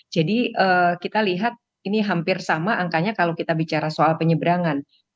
jadi kita lihat ini hampir sama angkanya kalau kita bicara soal penyeberangan